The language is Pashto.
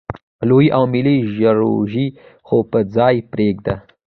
لویې او ملې پروژې خو په ځای پرېږده.